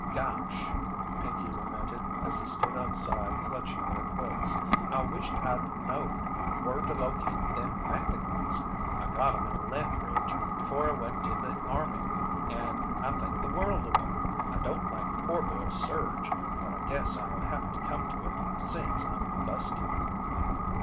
"Gosh!" Pinkey lamented, as they stood outside clutching their quilts, "I wisht I knowed whur to locate them mackinaws. I got 'em in Lethbridge before I went to the army, and I think the world of 'em. I don't like 'poor boys serge,' but I guess I'll have to come to it, since I'm busted."